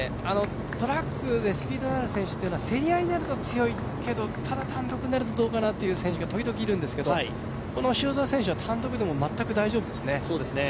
トラックでスピードのある選手は、競り合いになると強いけどただ単独になるとどうかなという選手が時々いるんですけど、この塩澤選手は単独でも全く大丈夫ですね。